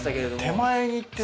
手前にいってる。